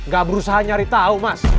gak berusaha nyari tahu mas